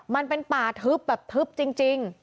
มันเป็นป่าทึบแบบทึบจริง